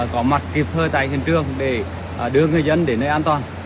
có mặt kịp thời tại hiện trường để đưa người dân đến nơi an toàn